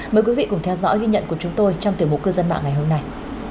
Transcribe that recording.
mời quý vị cùng theo dõi ghi nhận của chúng tôi trong tiểu mục cư dân mạng ngày hôm nay